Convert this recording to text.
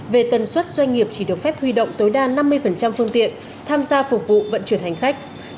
về tần suất doanh nghiệp chỉ được phép huy động tối đa năm mươi phương tiện tham gia phục vụ vận chuyển hành khách